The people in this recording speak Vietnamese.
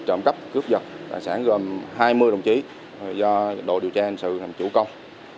tình hình tội phạm cướp giật tài sản gồm hai mươi đồng chí do đội điều tra hình sự làm chủ công